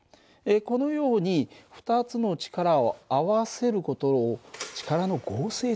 このように２つの力を合わせる事を力の合成というんだ。